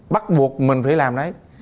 bắt buộc mình phải làm đấy